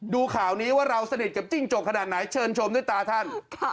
ดูข่าวนี้ว่าเราสนิทกับจิ้งจกขนาดไหนเชิญชมด้วยตาท่าน